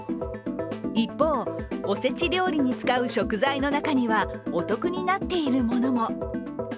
一方、おせち料理に使う食材の中には、お得になっているものも。